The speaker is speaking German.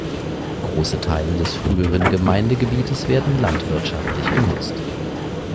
Große Teile des früheren Gemeindegebietes werden landwirtschaftlich genutzt.